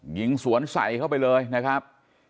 ยิงสวนใส่เข้าไปเลยนะครับ